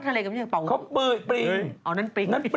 ปล่อยเครื่องมันก็เป็นหอยไม่ใช่เหรอ